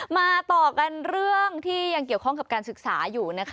มาต่อกันเรื่องที่ยังเกี่ยวข้องกับการศึกษาอยู่นะคะ